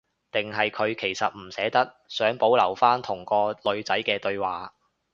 定係佢其實唔捨得，想保留返同個女仔嘅對話